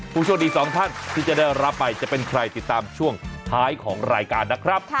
ผู้โชคดีสองท่านที่จะได้รับไปจะเป็นใครติดตามช่วงท้ายของรายการนะครับ